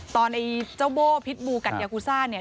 ไอ้เจ้าโบ้พิษบูกัดยากูซ่าเนี่ย